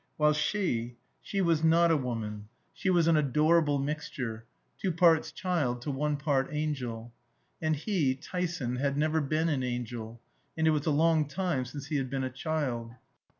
While she she was not a woman; she was an adorable mixture two parts child to one part angel. And he, Tyson, had never been an angel, and it was a long time since he had been a child.